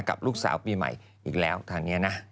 กับลูกสาวปีใหม่อีกแล้วตอนนี้นะ